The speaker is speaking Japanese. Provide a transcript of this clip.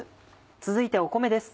続いて米です